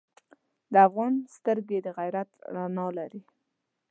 د افغان سترګې د غیرت رڼا لري.